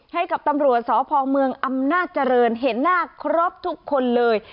ให้กับตำรวจสพเมืองอำนาจเจริญเห็นหน้าครบทุกคนเลย